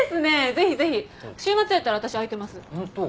ぜひぜひ週末やったら私空いてます本当？